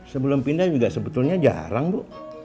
sebelum pindah juga sebetulnya jarang bu